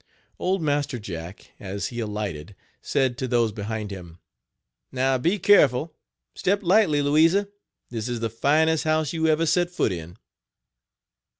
Old Master Jack, as he alighted, said to those behind him: "Now be careful, step lightly, Louisa, this is the finest house you ever set foot in."